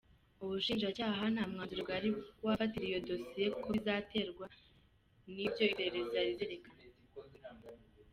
Ubushinjacyaha nta mwanzuro bwari wafatira iyo dosiye kuko bizaterwa n’ibyo iperereza rizerakana.